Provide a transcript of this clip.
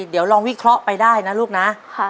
เดี๋ยวลองวิเคราะห์ไปได้นะลูกนะ